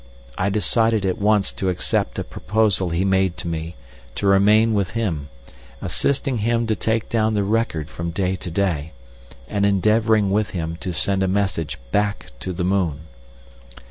I decided at once to accept a proposal he made to me to remain with him, assisting him to take down the record from day to day, and endeavouring with him to send a message back to the moon.